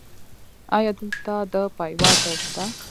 ایا دلته د پایواز ځای شته؟